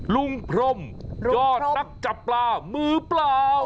พรมยอดนักจับปลามือเปล่า